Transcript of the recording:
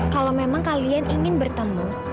kalau memang kalian ingin bertemu